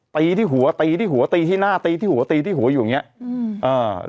ตีที่หัวตีที่หัวตีที่หน้าตีที่หัวตีที่หัวอยู่อย่างเงี้ยอืมอ่า